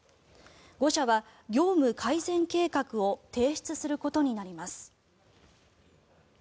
５社は業務改善計画を提出することになります。